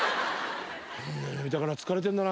だから疲れてんだな。